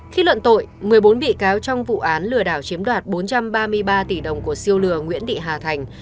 khi luận tội một mươi bốn bị cáo trong vụ án lừa đảo chiếm đoạt bốn trăm ba mươi ba tỷ đồng của siêu lừa nguyễn thị hà thành